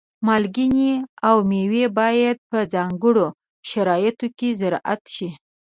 مالګین او مېوې باید په ځانګړو شرایطو کې زراعت شي.